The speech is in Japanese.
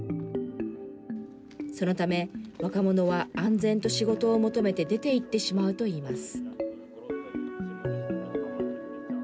そのため、若者は安全と仕事を求めて出て行ってしまうといいます。